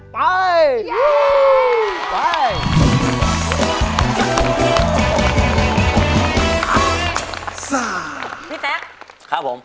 พี่แจ๊กครับผม